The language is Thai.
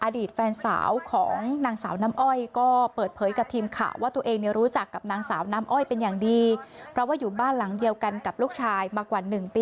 อดีตแฟนสาวของนางสาวน้ำอ้อยก็เปิดเผยกับทีมข่าว